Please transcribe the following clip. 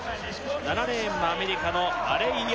７レーンはアメリカのアレイア・